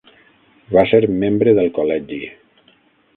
Va ser membre del Col·legi.